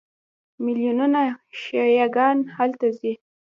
میلیونونه شیعه ګان هلته ځي.